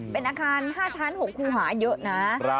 เป็นอาคาร๕ชั้น๖คูหาเยอะนะ